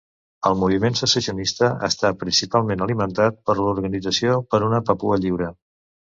El moviment secessionista està principalment alimentat per l'Organització per una Papua Lliure.